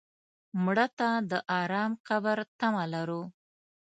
مړه ته د ارام قبر تمه لرو